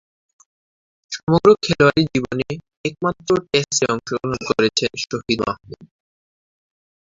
সমগ্র খেলোয়াড়ী জীবনে একটিমাত্র টেস্টে অংশগ্রহণ করেছেন শহীদ মাহমুদ।